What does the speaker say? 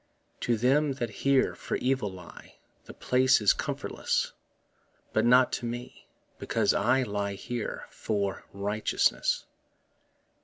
To them that here for evil lie The place is comfortless, But not to me, because that I Lie here for righteousness.